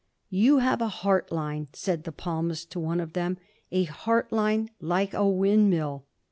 "You have a heart line," said the palmist to one of them "a heart line like a windmill!"